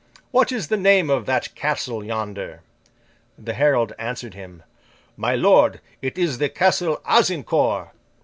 What is the name of that castle yonder?' The herald answered him, 'My lord, it is the castle of Azincourt.